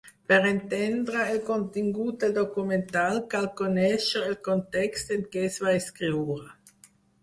Per entendre el contingut del document cal conèixer el context en què es va escriure.